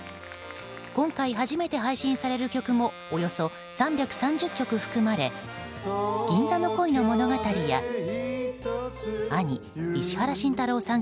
今回、初めて配信される曲もおよそ３３０曲含まれ「銀座の恋の物語」や兄・石原慎太郎さん